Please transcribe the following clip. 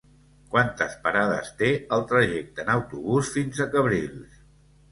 Quantes parades té el trajecte en autobús fins a Cabrils?